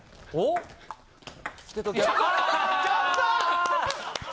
ちょっと！